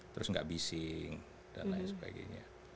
terus nggak bising dan lain sebagainya